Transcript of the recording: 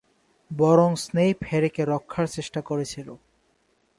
বরং স্নেইপ হ্যারিকে রক্ষার চেষ্টা করেছিল।